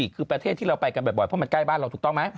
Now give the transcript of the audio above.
คือประเทศที่เราไปกันบ่อยเพราะมันใกล้บ้านเราถูกต้องไหม